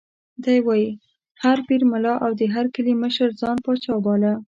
دی وایي: هر پیر، ملا او د هر کلي مشر ځان پاچا باله.